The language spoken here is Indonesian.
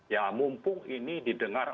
ya mumpung ini didengar